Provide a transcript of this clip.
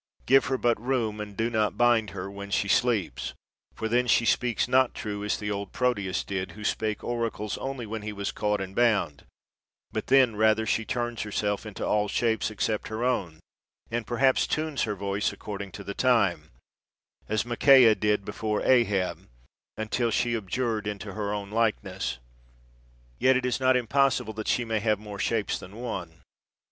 Give her but room, and do not bind her when she sleeps, for then she speaks not true, as the old Proteus did, who spake oracles only when he was caught and bound, but then rather she turns herself into all shapes, ex cept her own, and perhaps tunes her voice accord ing to the time, as Micaiah did before Ahab, until she be abjured into her own likeness. Yet is it not impossible that she may have more shapes than one.